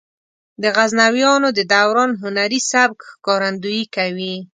د غزنویانو د دوران هنري سبک ښکارندويي کوي.